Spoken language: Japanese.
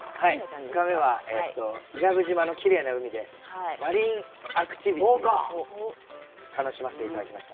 ２日目は、伊良部島のきれいな海でマリンアクティビティを楽しませていただきました。